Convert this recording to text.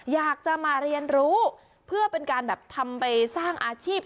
อยากจะมาเรียนรู้เพื่อเป็นการแบบทำไปสร้างอาชีพ